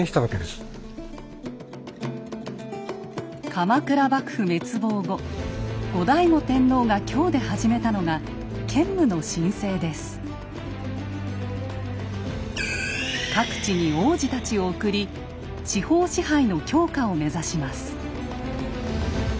鎌倉幕府滅亡後後醍醐天皇が京で始めたのが各地に皇子たちを送り地方支配の強化を目指します。